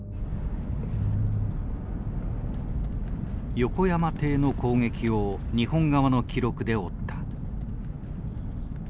横山艇の攻撃を日本側の記録で追った。